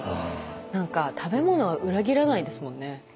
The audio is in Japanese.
何か食べ物は裏切らないですもんね。